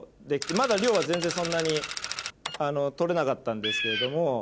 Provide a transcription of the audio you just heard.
まだ量は全然そんなに取れなかったんですけれども。